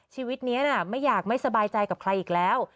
ชีวิตนี้ไม่อยากไม่สบายใจกับใครอีกแล้ว